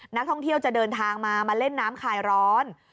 นักท่องเที่ยวจะเดินทางมามาเล่นน้ำคลายร้อน